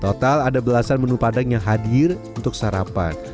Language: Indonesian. total ada belasan menu padang yang hadir untuk sarapan